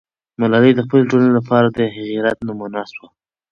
ملالۍ د خپلې ټولنې لپاره د غیرت نمونه سوه.